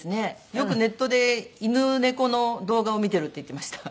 よくネットで犬猫の動画を見てるって言ってました。